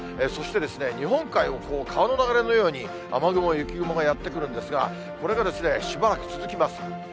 そして日本海を川の流れのように雨雲、雪雲がやって来るんですが、これがしばらく続きます。